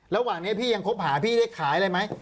ระหว่างนี้พี่ยังคบหาพี่ได้ขายอะไรไหม